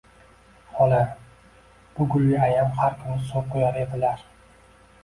Xola, bu gulga ayam har kuni suv quyar edilar.